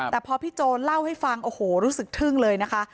แต่พอพี่โจรเล่าให้ฟังโอ้โหรู้สึกทึ่งเลยนะคะ